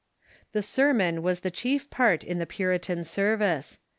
] The sermon was the chief part in the Puritan service.